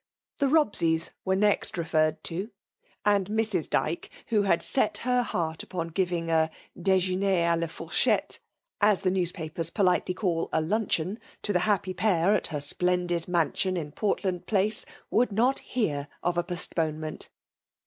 The Bobseys were next referred to ; and Mrs. Dyke, who had set her heart upon giving le^dejeuner d la/ourckeile,'* as the newspapers poUtely call a luncheon, to the happy pair at her splendid mansion in Portland Place, ireFidd not hear of a postponement.